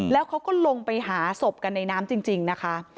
แล้วเขาก็ลงไปหาศพกันในน้ำจริงนะคะ